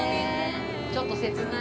ちょっと切ない。